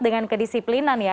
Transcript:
dengan kedisiplinan ya